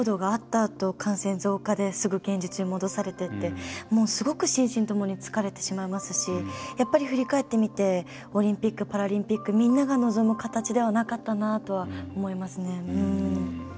あと感染増加ですぐ現実に戻されてってすごく心身ともに疲れてしまいますし振り返ってみてオリンピック・パラリンピックみんなが望む形ではなかったなと思います。